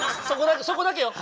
そこだけよ！